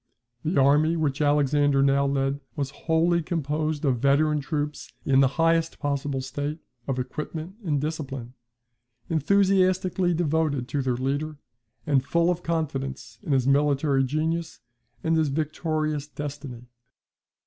The army which Alexander now led was wholly composed of veteran troops in the highest possible state of equipment and discipline, enthusiastically devoted to their leader, and full of confidence in his military genius and his victorious destiny.